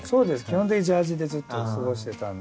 基本的にジャージでずっと過ごしてたんで。